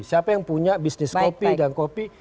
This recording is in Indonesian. siapa yang punya bisnis kopi dan kopi